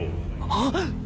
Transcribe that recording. あっ。